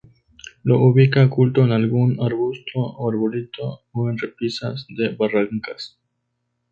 Lo ubica oculto en algún arbusto o arbolito o en repisas de barrancas.